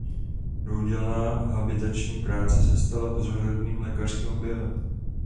Dvoudílná habilitační práce se stala pozoruhodným lékařským objevem.